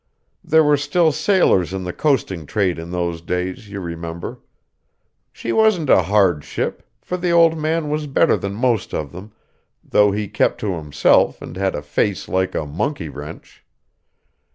There were still sailors in the coasting trade in those days, you remember. She wasn't a hard ship, for the old man was better than most of them, though he kept to himself and had a face like a monkey wrench.